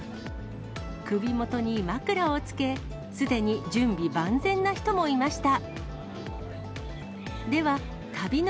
首元に枕をつけ、すでに準備万全な人もいました。